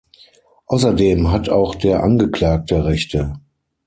Außerdem hat auch der Angeklagte Rechte.